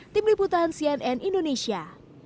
tim liputan cnn indonesia